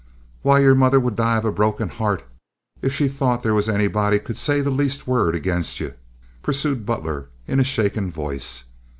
"Why, your mother would die of a broken heart if she thought there was anybody could say the least word against ye," pursued Butler, in a shaken voice.